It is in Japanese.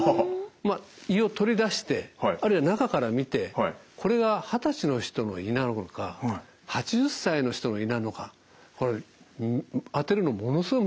胃を取り出してあるいは中から見てこれが二十歳の人の胃なのか８０歳の人の胃なのかこれ当てるのものすごい難しいんですね。